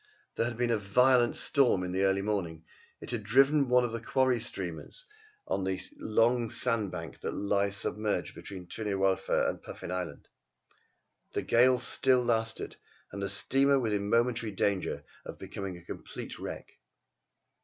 There had been a violent storm in the early morning. It had driven one of the quarry steamers on to the long sand bank that lies submerged between Tryn yr Wylfa and Puffin Island. The gale still lasted, and the steamer was in momentary danger of becoming a complete wreck.